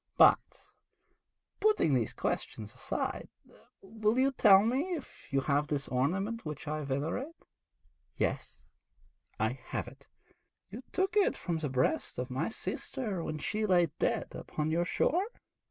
But, putting these questions aside, will you tell me if you have this ornament which I venerate?' 'Yes, I have it.' 'You took it from the breast of my sister when she lay dead upon your shore?'